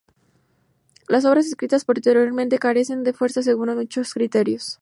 Las obras escritas posteriormente carecen de fuerza según mucho críticos.